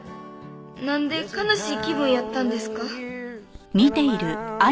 「なんで悲しい気分やったんですか？」